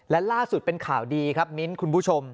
และล่าสุดเป็นข่าวดีครับมิ้นท์คุณผู้ชม